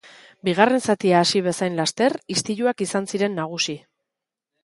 Bigarren zatia hasi bezain laster istiluak izan ziren nagusi.